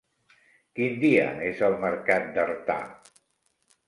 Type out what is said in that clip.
Quin dia és el mercat d'Artà?